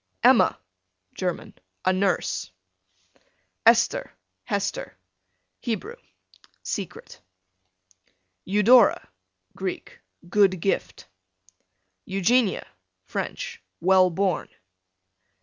Emma, German, a nurse. Esther, Hester, Hebrew, secret. Eudora, Greek, good gift. Eugenia, French, well born.